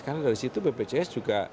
karena dari situ bpcs juga